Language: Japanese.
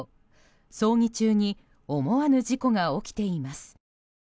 葬儀中に思わぬ事故が起きています。